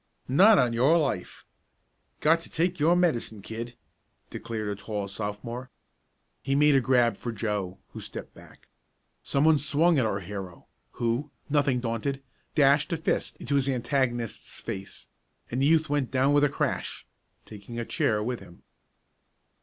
"Not on your life! Got to take your medicine, kid!" declared a tall Sophomore. He made a grab for Joe, who stepped back. Someone swung at our hero, who, nothing daunted, dashed a fist into his antagonist's face, and the youth went down with a crash, taking a chair with him.